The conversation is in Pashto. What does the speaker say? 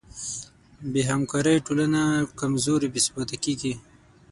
بېهمکارۍ ټولنه کمزورې او بېثباته پاتې کېږي.